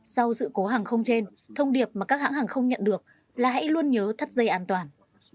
sau sự cố hàng không trên thông điệp mà các hãng hàng không nhận được là hãy luôn nhớ thắt dây an toàn